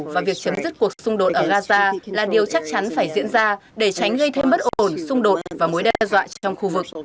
và việc chấm dứt cuộc xung đột ở gaza là điều chắc chắn phải diễn ra để tránh gây thêm bất ổn xung đột và mối đe dọa trong khu vực